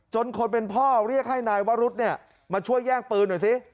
จนคนเป็นพ่อเรียกให้นายวรุฒิเนี่ยมาช่วยแยกปืนหน่อยซิ